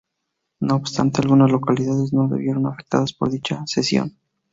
No obstante algunas localidades no se vieron afectadas por dicha cesión.